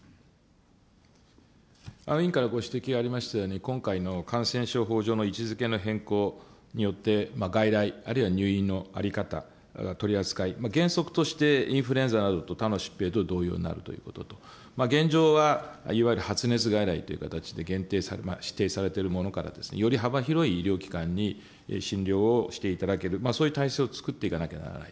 委員からご指摘がありましたように、今回の感染症法上の位置づけの変更によって、外来あるいは入院の在り方、取り扱い、原則としてインフルエンザ等、他の疾病と同様になるということと、現状はいわゆる発熱外来という形で限定され、指定されているものから、より幅広い医療機関に診療をしていただける、そういう体制を作っていかなきゃならない。